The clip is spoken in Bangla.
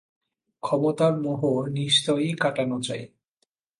ক্ষমতার মোহ নিশ্চয়ই কাটান চাই।